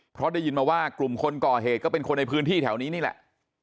เพราะได้ยินมาว่ากลุ่มคนก่อเหตุก็เป็นคนในพื้นที่แถวนี้นี่แหละ